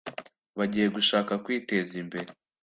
Bagiye gushaka kwiteza imbere